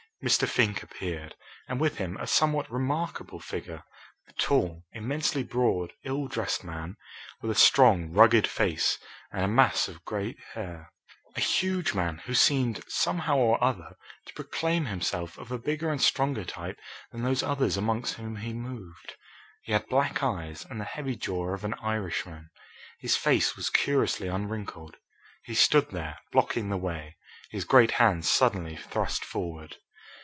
Mr. Fink appeared, and with him a somewhat remarkable figure a tall, immensely broad, ill dressed man, with a strong, rugged face and a mass of grey hair; a huge man, who seemed, somehow or other, to proclaim himself of a bigger and stronger type than those others amongst whom he moved. He had black eyes, and the heavy jaw of an Irishman. His face was curiously unwrinkled. He stood there, blocking the way, his great hands suddenly thrust forward.